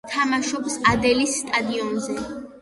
თამაშობს „ადელის“ სტადიონზე.